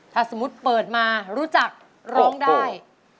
ถ้าสมมุติเปิดมารู้จักร้องได้